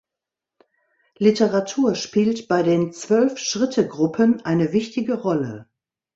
Literatur spielt bei den Zwölf-Schritte-Gruppen eine wichtige Rolle.